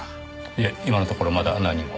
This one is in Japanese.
いえ今のところまだ何も。